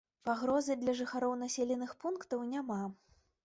Пагрозы для жыхароў населеных пунктаў няма.